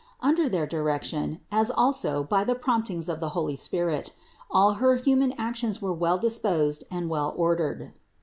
Under their direction, as also by the promptings of the holy Spirit, all her human actions were well disposed and well or dered.